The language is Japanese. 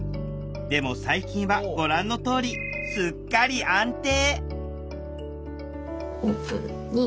でも最近はご覧のとおりすっかり安定！